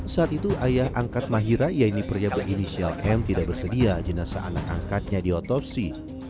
saat itu ayah angkat mahira yang diperiapkan inisial m tidak bersedia jenazah anak angkatnya di otopsi